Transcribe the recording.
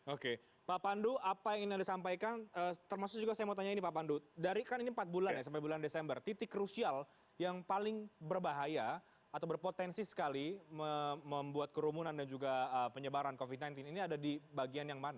oke pak pandu apa yang ingin anda sampaikan termasuk juga saya mau tanya ini pak pandu dari kan ini empat bulan ya sampai bulan desember titik krusial yang paling berbahaya atau berpotensi sekali membuat kerumunan dan juga penyebaran covid sembilan belas ini ada di bagian yang mana